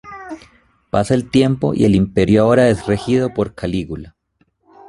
Pasa el tiempo y el imperio ahora es regido por Calígula.